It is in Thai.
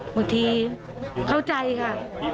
หมดทีเข้าใจค่ะ